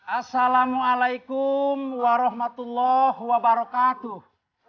assalamualaikum warahmatullah wabarakatuh